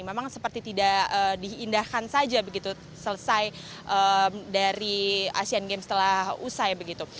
memang seperti tidak diindahkan saja begitu selesai dari asian games setelah usai begitu